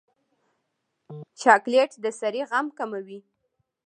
چاکلېټ د سړي غم کموي.